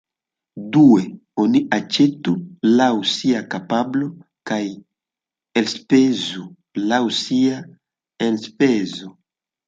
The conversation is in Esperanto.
Due, oni aĉetu laŭ sia kapablo kaj elspezu laŭ sia enspezo.